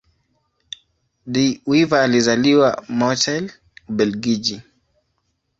De Wever alizaliwa Mortsel, Ubelgiji.